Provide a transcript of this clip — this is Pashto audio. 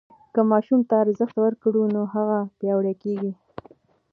که ماشوم ته ارزښت ورکړو نو هغه پیاوړی کېږي.